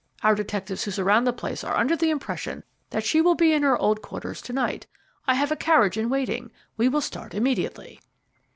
Our detectives who surround the place are under the impression that she will be in her old quarters to night. I have a carriage in waiting: we will start immediately."